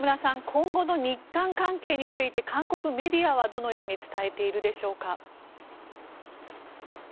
今後の日韓関係について韓国メディアはどのように伝えているでしょうか？